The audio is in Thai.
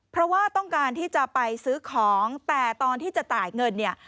เพราะว่าต้องการที่จะไปซื้อของแต่ตอนที่จะจ่ายเงินเนี่ย